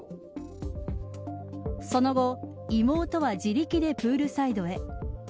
その後妹は自力でプールサイドへ。